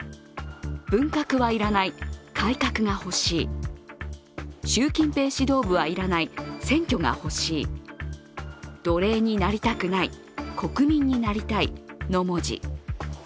「文革は要らない、改革が欲しい」、「習近平指導部は要らない、選挙が欲しい」「奴隷になりたくない国民になりたい」の文字。